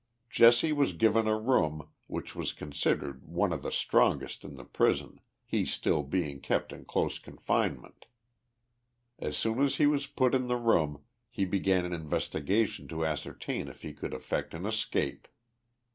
Jesse was given a room, which was considered one of the strongest in the prison, lie being still kept in close confinement. As soon as he was put in the room he began an investigation to ascertain if he could effect an escape.